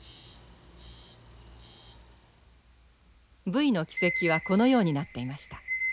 ブイの軌跡はこのようになっていました。